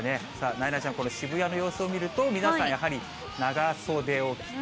なえなのちゃん、この渋谷の様子を見ると、皆さん、やはり長袖を着て。